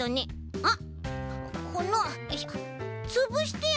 あっ！